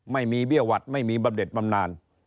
ไม่มีเบี้ยวัดไม่มีบำเน็ตบำนาน